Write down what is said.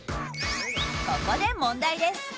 ここで問題です！